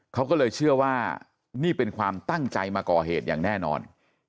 เขาก็เลยเชื่อว่านี่เป็นความตั้งใจมาก่อเหตุอย่างแน่นอน